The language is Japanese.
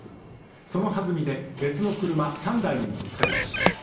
その弾みで別の車３台にもぶつかりました。